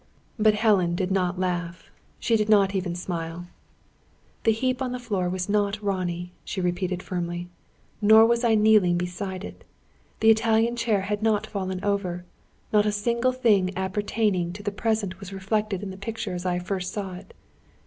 But Helen did not laugh. She did not even smile. "The heap on the floor was not Ronnie," she repeated firmly, "nor was I kneeling beside it. The Italian chair had not fallen over. Not a single thing appertaining to the present, was reflected in the picture as I first saw it.